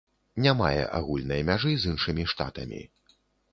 Не мае агульнай мяжы з іншымі штатамі.